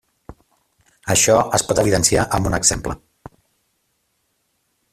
Això es pot evidenciar amb un exemple.